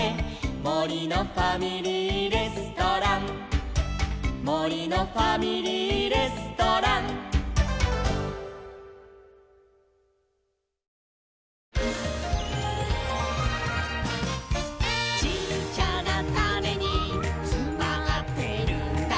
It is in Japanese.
「もりのファミリーレストラン」「もりのファミリーレストラン」「ちっちゃなタネにつまってるんだ」